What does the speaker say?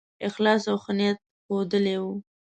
اخلاص او ښه نیت ښودلی وو.